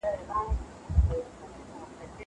دا قلم له هغه ښه دی!!